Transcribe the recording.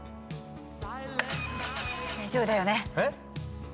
大丈夫だよね。